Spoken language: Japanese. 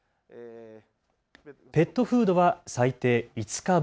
ペットフードは最低５日分。